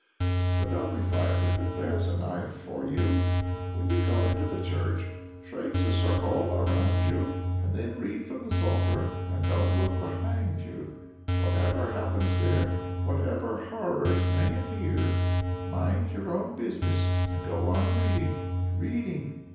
But don't be frightened, there's a knife for you. When you go into the church, trace a circle round you; then read away from your psalter and don't look behind you. Whatever happens there, whatever horrors may appear, mind your own business and go on reading, reading.